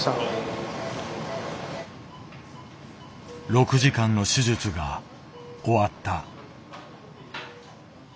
６時間の手術が終わった。